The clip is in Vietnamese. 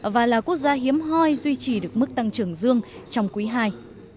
và là quốc gia hiếm hoi duy trì được mức tăng trưởng dương trong quý ii